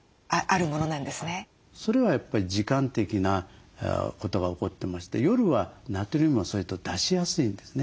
それはやっぱり時間的なことが起こってまして夜はナトリウムを出しやすいんですね。